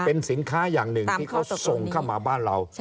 เป็นสินค้าอย่างหนึ่งที่เขาส่งเข้ามาบ้านเรา